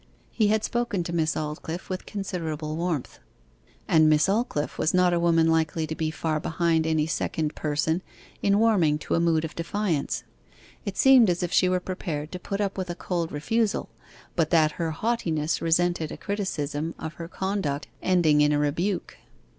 He had spoken to Miss Aldclyffe with considerable warmth. And Miss Aldclyffe was not a woman likely to be far behind any second person in warming to a mood of defiance. It seemed as if she were prepared to put up with a cold refusal, but that her haughtiness resented a criticism of her conduct ending in a rebuke.